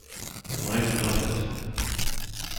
I'd love it.